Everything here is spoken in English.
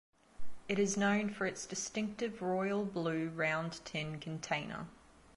It is known for its distinctive royal blue round tin container.